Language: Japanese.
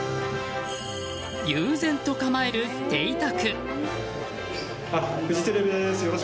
悠然と構える邸宅。